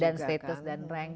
dan status dan rang